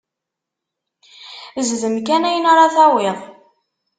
Zdem kan, ayen ara tawiḍ!